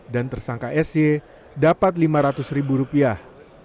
dan tersangka se dapat lima ratus ribu rupiah